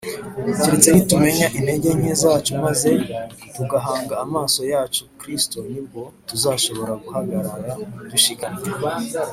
keretse nitumenya intege nke zacu maze tugahanga amaso yacu kristo, ni bwo tuzashobora guhagarara dushikamye